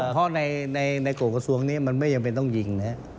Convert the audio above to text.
เพราะในกฎกระทรวงนี้มันไม่ไปต้องยิง